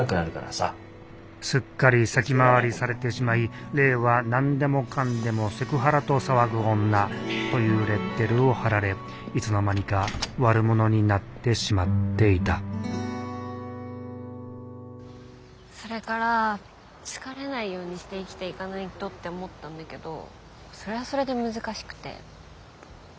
すっかり先回りされてしまい玲は何でもかんでもセクハラと騒ぐ女というレッテルを貼られいつの間にか悪者になってしまっていたそれから好かれないようにして生きていかないとって思ったんだけどそれはそれで難しくて。